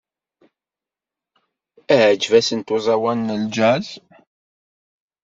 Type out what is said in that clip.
Iɛǧeb-asent uẓawan n jazz.